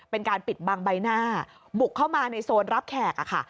เป็นการปิดบังใบหน้าบุกเข้ามาในโซนรับแขกอะค่ะ